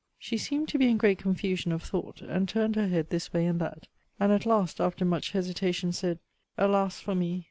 She seemed to be in great confusion of thought, and turned her head this way and that; and at last, after much hesitation, said, Alas for me!